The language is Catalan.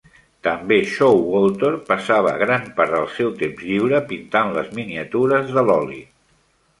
També, Showalter passava gran part del seu temps lliure pintant les miniatures de l'oli.